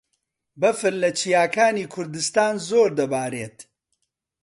بەفر لە چیاکانی کوردستان زۆر دەبارێت.